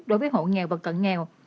đối với hộ nghèo và cận nghèo